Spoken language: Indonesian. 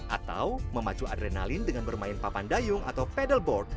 atau memacu adrenalin dengan bermain papan dayung atau pedelboard